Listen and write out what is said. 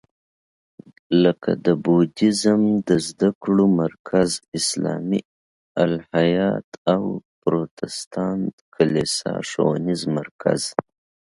لکه د بودیزم د زده کړو مرکز، اسلامي الهیات او پروتستانت کلیسا ښوونیز مرکز.